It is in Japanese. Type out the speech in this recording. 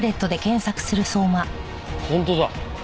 本当だ。